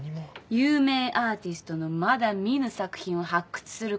有名アーティストのまだ見ぬ作品を発掘することよ。